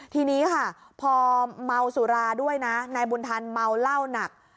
ทีนี้ค่ะพอเมาสุราด้วยนะนายบุญทันเมาเหล้าหนัก